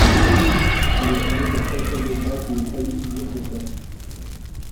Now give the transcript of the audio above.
Il est sans doute le seul chef d'État qui ait failli subir ce sort.